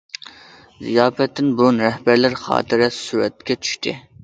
زىياپەتتىن بۇرۇن رەھبەرلەر خاتىرە سۈرەتكە چۈشتى.